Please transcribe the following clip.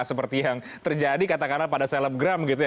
seperti yang terjadi katakanlah pada selebgram gitu ya